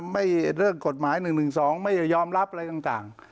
เรื่องกฎหมาย๑๑๒ไม่ยอมรับอะไรต่าง